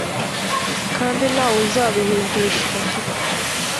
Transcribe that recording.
kandi nta wuzabihindisha umushyitsi. “